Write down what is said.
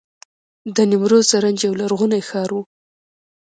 د نیمروز زرنج یو لرغونی ښار و